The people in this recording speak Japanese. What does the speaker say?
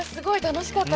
楽しかった。